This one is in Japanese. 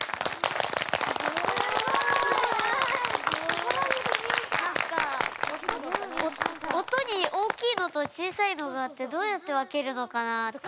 すごい！何か音に大きいのと小さいのがあってどうやって分けるのかなって。